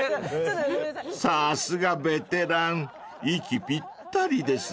［さすがベテラン息ぴったりですね］